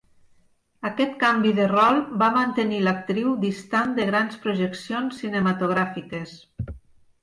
Aquest canvi de rol va mantenir l'actriu distant de grans projeccions cinematogràfiques.